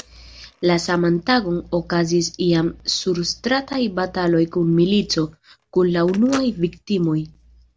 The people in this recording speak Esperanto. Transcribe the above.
La saman tagon okazis jam surstrataj bataloj kun milico, kun la unuaj viktimoj.